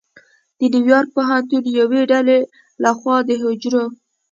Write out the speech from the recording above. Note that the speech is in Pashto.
د نیویارک پوهنتون یوې ډلې لخوا د حجرو